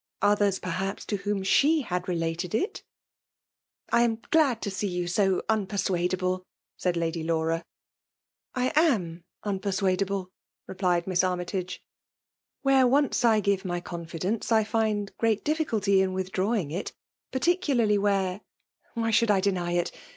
*'.'* Olherfi^ perhaps^ to whom she had related itr •'''''.••.'•' ''I am glad to see you so unpersuadabler Mlid Lady X^iira. *' I am unpersuadable/' replied Misd Army* tagc. '^ Where once I give my confidence, I find great difficulty in withdrawing it ; paitt«> cularly where (why should I deny it?)